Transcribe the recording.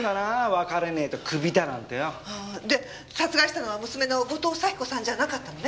別れねえとクビだなんてよ。で殺害したのは娘の後藤咲子さんじゃなかったのね。